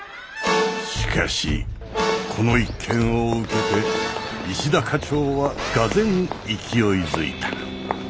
しかしこの一件を受けて石田課長はがぜん勢いづいた。